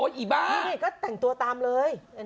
ตัดตัวตามเลย